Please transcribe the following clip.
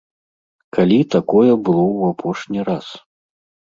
Калі такое было ў апошні раз?